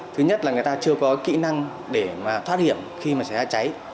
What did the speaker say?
thứ nhất là người ta chưa có kỹ năng để mà thoát hiểm khi mà xảy ra cháy